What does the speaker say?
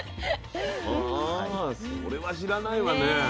それは知らないわね。